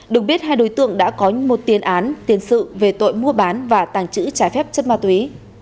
được biết hai đối tượng đã có một tiền án tiền sự về tội mua bán và tàng trữ trái phép chất ma túy